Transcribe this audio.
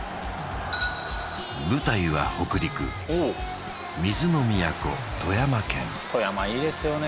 舞台は北陸富山いいですよね